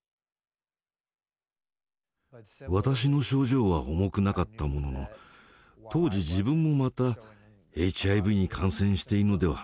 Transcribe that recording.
私の症状は重くなかったものの当時自分もまたＨＩＶに感染しているのではと感じていました。